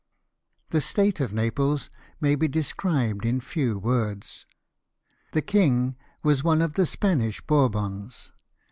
The state of Naples may be described in few words. The king was one of the Spanish Bourbons.